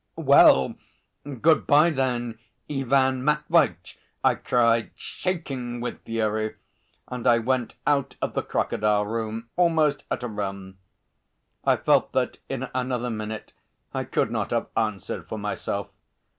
"Well, good bye, then, Ivan Matveitch!" I cried, shaking with fury, and I went out of the crocodile room almost at a run. I felt that in another minute I could not have answered for myself.